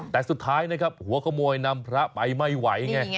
แต่สุดท้ายนะครับหัวขโมยนำพระไปไม่ไหวไง